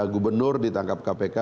gubernur ditangkap kpk